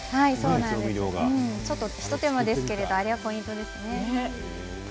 ちょっと一手間ですけどあれがポイントですね。